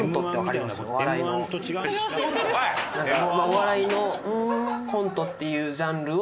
お笑いのコントっていうジャンルを。